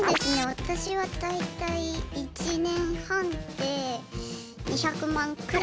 私は大体１年半で２００万くらい。